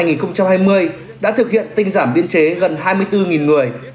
năm hai nghìn hai mươi đã thực hiện tinh giảm biên chế gần hai mươi bốn người